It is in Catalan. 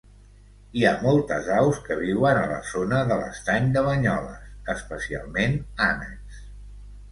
Hi ha moltes aus que viuen a la zona de l'estany de Banyoles, especialment ànecs.